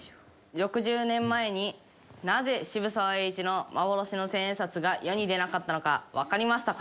６０年前になぜ渋沢栄一の幻の千円札が世に出なかったのかわかりましたか？